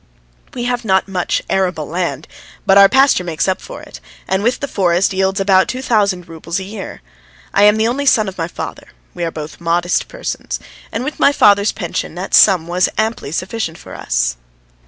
We have not much arable land, but our pasture makes up for it, and with the forest yields about two thousand roubles a year. I am the only son of my father; we are both modest persons, and with my father's pension that sum was amply sufficient for us.